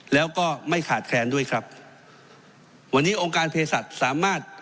แล้วก็ไม่ขาดแคลนด้วยครับวันนี้องค์การเพศสัตว์สามารถ